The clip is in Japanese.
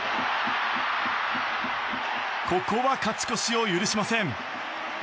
ここは勝ち越しを許しません。